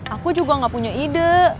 aku juga gak punya ide